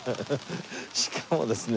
しかもですね